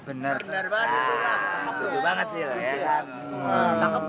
bener banget itu bang